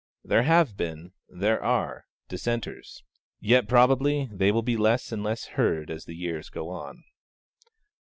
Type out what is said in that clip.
There have been, there are, dissenters; yet probably they will be less and less heard as the years go on.